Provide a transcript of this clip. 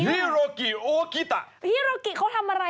ฮิโรกิโอเก